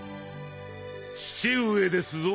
「父上」ですぞ